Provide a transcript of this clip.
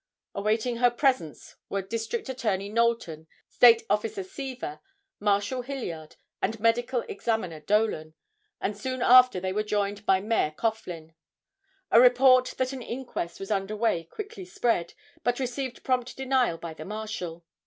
Awaiting her presence were District Attorney Knowlton, State Officer Seaver, Marshal Hilliard and Medical Examiner Dolan, and soon after they were joined by Mayor Coughlin. A report that an inquest was under way quickly spread, but received prompt denial by the Marshal.